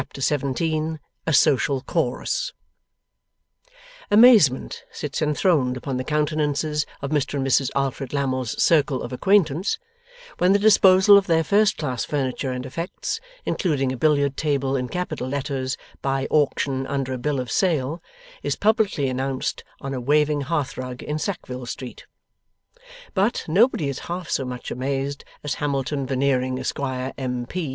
Chapter 17 A SOCIAL CHORUS Amazement sits enthroned upon the countenances of Mr and Mrs Alfred Lammle's circle of acquaintance, when the disposal of their first class furniture and effects (including a Billiard Table in capital letters), 'by auction, under a bill of sale,' is publicly announced on a waving hearthrug in Sackville Street. But, nobody is half so much amazed as Hamilton Veneering, Esquire, M.P.